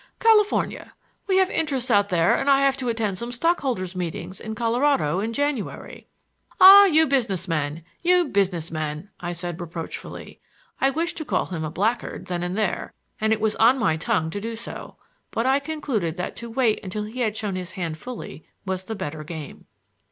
"California. We have interests out there and I have to attend some stock holders' meetings in Colorado in January." "Ah, you business men! You business men!" I said reproachfully. I wished to call him a blackguard then and there, and it was on my tongue to do so, but I concluded that to wait until he had shown his hand fully was the better game.